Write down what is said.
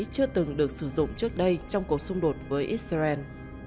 chưa từng được sử dụng trước đây trong cuộc xung đột với israel